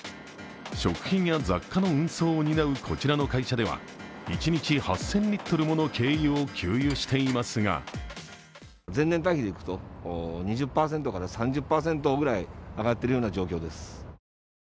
食品や雑貨の運送を担うこちらの会社では一日８０００リットルもの軽油を給油していますが前年対比でいくと、２０％から３０％上がっているような状況です。